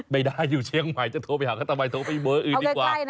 ไม่ได้อยู่เชียงใหม่จะโทรไปหาเขาทำไมโทรไปเบอร์อื่นดีกว่า